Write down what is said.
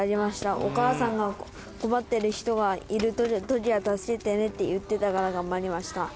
「お母さんが困ってる人がいるときは助けてねって言ってたから頑張りました」